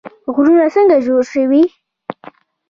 غرونه څنګه جوړ شوي؟